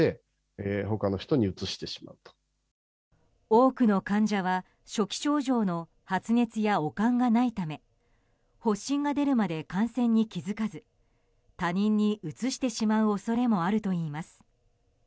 多くの患者は初期症状の発熱や悪寒がないため発疹が出るまで感染に気づかず他人にうつしてしまう恐れもあるといいます。